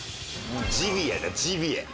ジビエだジビエ！